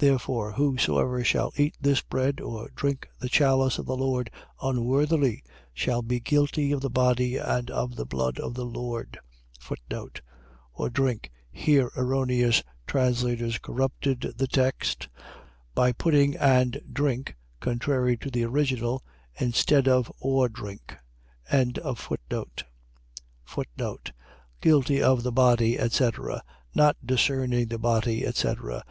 11:27. Therefore, whosoever shall eat this bread, or drink the chalice of the Lord unworthily, shall be guilty of the body and of the blood of the Lord. Or drink. . .Here erroneous translators corrupted the text, by putting and drink (contrary to the original) instead of or drink. Guilty of the body, etc., not discerning the body, etc. ..